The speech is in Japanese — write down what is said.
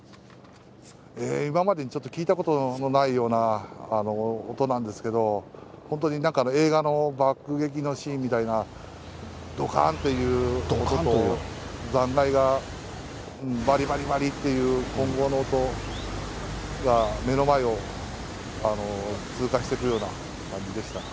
今までにちょっと聞いたことのないような音なんですけど、本当になんか映画の爆撃のシーンみたいな、どかーんという、残骸がばりばりばりっていう、混合の音が、目の前を通過していくような感じでした。